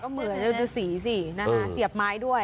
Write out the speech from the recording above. เหมือนฤดูสีสินะคะเสียบไม้ด้วย